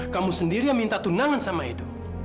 kamu sendiri yang minta tunangan sama itu